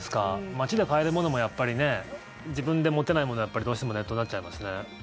街で買えるものもやっぱり自分で持てないものはどうしてもネットになっちゃいますね。